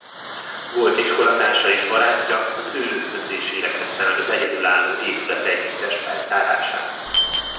Volt iskolatársa és barátja az ő ösztönzésére kezdte meg az egyedülálló épületegyüttes feltárását.